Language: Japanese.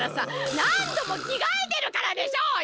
なんどもきがえてるからでしょうよ！